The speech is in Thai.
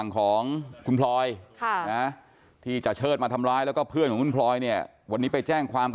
นั่นคือปัญหาเคยทุกข์ทำร้ายทำร้ายเขาไปทีเขาไปแจ้งความ